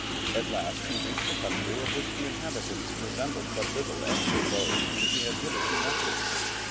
At last he reached a country of which the inhabitants resembled but little any of those whom he had hitherto met with.